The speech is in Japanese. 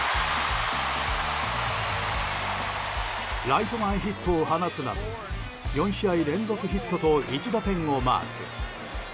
ライト前ヒットを放つなど４試合連続ヒットと１打点をマーク。